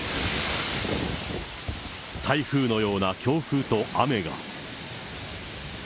台風のような強風と雨が。